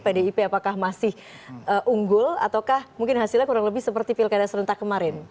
pdip apakah masih unggul ataukah mungkin hasilnya kurang lebih seperti pilkada serentak kemarin